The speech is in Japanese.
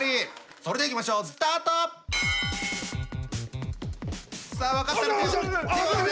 それではいきましょうスタート！さあ分かったら手を挙げて。